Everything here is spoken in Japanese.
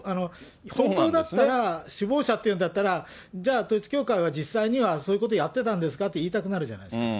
本当だったら、首謀者っていうんだったら、じゃあ、統一教会は実際にはそういうことやってたんですかって、言いたくなるじゃないですか。